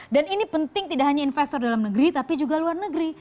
dan ini penting tidak hanya investor dalam negeri tapi juga luar negeri